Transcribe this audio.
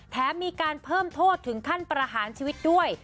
แถมมีการเพิ่มโทษถึงขั้นประหารชีวิตด้วย